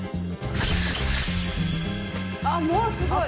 あっもうすごい！